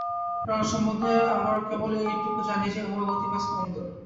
প্রাণ-সম্বন্ধে আমরা কেবল এইটুকু জানি যে, উহা গতি বা স্পন্দন।